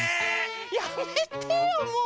やめてよもう！